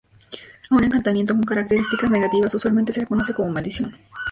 A un encantamiento con características negativas usualmente se le conoce como maldición.